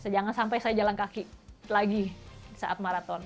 jangan sampai saya jalan kaki lagi saat maraton